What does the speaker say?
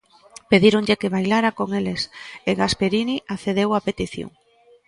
Pedíronlle que bailara con eles, e Gasperini accedeu á petición.